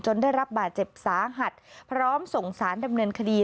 ได้รับบาดเจ็บสาหัสพร้อมส่งสารดำเนินคดี